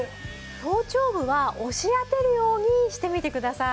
頭頂部は押し当てるようにしてみてください。